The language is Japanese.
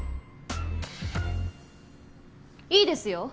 いいですよ。